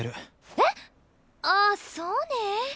えっ⁉ああそうねぇ？